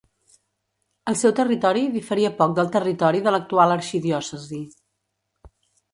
El seu territori diferia poc del territori de l'actual arxidiòcesi.